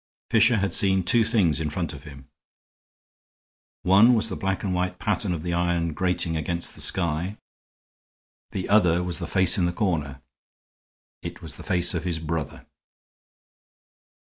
Fisher had seen two things in front of him. One was the black and white pattern of the iron grating against the sky; the other was the face in the corner. It was the face of his brother.